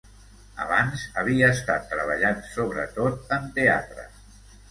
Abans, havia estat treballant sobretot en teatre.